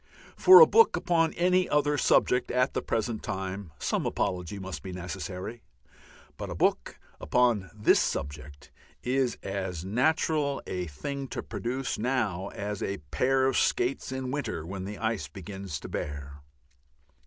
For a book upon any other subject at the present time some apology may be necessary, but a book upon this subject is as natural a thing to produce now as a pair of skates in winter when the ice begins to bear.